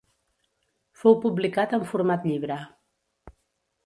Fou publicat en format llibre.